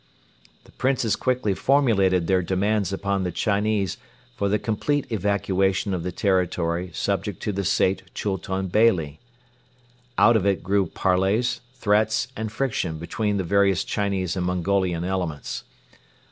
The Princes quickly formulated their demands upon the Chinese for the complete evacuation of the territory subject to the Sait Chultun Beyli. Out of it grew parleys, threats and friction between the various Chinese and Mongolian elements.